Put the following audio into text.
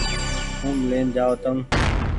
ٿوم لين جآئو تم ۔